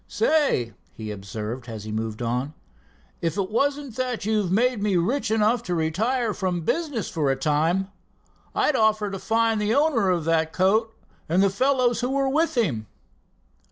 "Say," he observed, as he moved on, "if it wasn't that you've made me rich enough to retiree from business for a time, I'd offer to find the owner of that coat and the fellows who were with him."